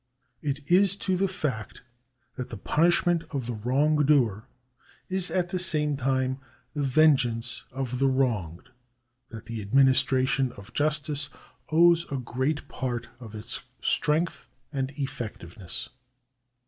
It is to the fact that the punishment of the wrongdoer is at the same time the vengeance of the wronged, that the administration of justice owes a great part of its strength and effectiveness.